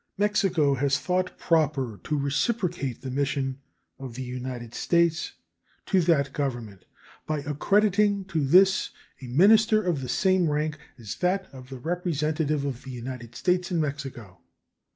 Mexico has thought proper to reciprocate the mission of the United States to that Government by accrediting to this a minister of the same rank as that of the representative of the United States in Mexico.